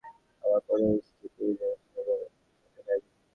আমার প্রথম স্ত্রীর দুটি সন্তান আছে বলে দ্বিতীয় স্ত্রী সন্তান নেয়নি।